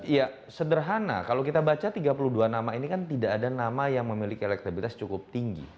ya sederhana kalau kita baca tiga puluh dua nama ini kan tidak ada nama yang memiliki elektabilitas cukup tinggi